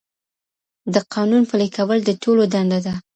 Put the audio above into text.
د قانون پلي کول د ټولو دنده ده.